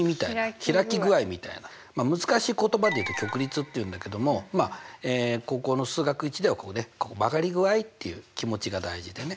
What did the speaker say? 開き具合みたいな難しい言葉で言うと曲率って言うんだけども高校の数学Ⅰでは曲がり具合っていう気持ちが大事でね